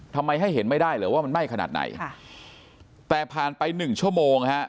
ทำไมให้เห็นไม่ได้เหรอว่ามันไหม้ขนาดไหนค่ะแต่ผ่านไปหนึ่งชั่วโมงฮะ